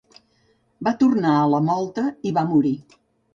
Va tornar a la mòlta, i va morir.